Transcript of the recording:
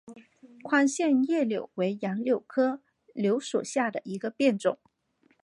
宽线叶柳为杨柳科柳属下的一个变种。